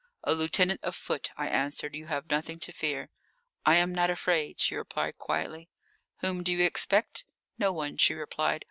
"A lieutenant of foot," I answered. "You have nothing to fear." "I am not afraid," she replied quietly. "Whom do you expect?" "No one," she replied.